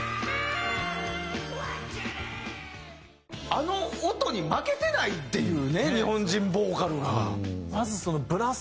あの音に負けてないっていうね日本人ボーカルが。